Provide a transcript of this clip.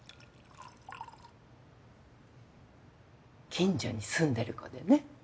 近所に住んでる子でね